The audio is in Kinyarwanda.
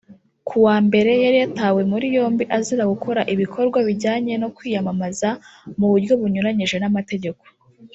Ku wa mbere yari yatawe muri yombi azira gukora ibikorwa bijyanye no kwiyamamaza mu buryo bunyuranyije n’amategeko